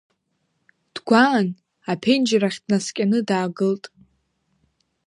Дгәаан, аԥенџьыр ахь днаскьаны даагылт.